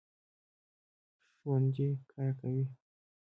ژوندي کار کوي